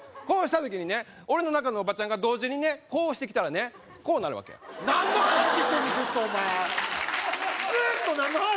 こうした時にね俺の中のおばちゃんが同時にねこうしてきたらねこうなるわけや何の話してんねん！